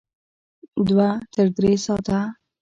دوه تر درې ساعته